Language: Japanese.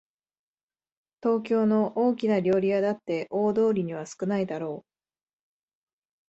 東京の大きな料理屋だって大通りには少ないだろう